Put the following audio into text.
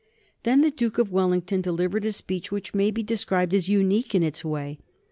Then the Duke of Wellington delivered a speech which may be described as unique in its way.